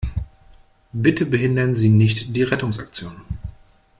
Bitte behindern Sie nicht die Rettungsaktion!